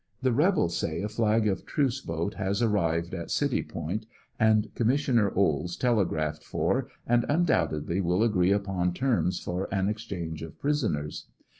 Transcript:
The rebels say a flag of truce boat has arrived at City Point and Commissioner Olds telegraphed for and undoubtedly will agree upon terms for an exchange of pris oners.